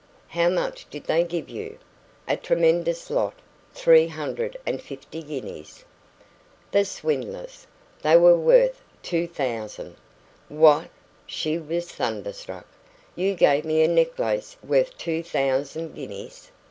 "How much did they give you?" "A tremendous lot three hundred and fifty guineas." "The swindlers! They were worth two thousand." "What!" She was thunderstruck. "You gave me a necklace worth two thousand guineas?"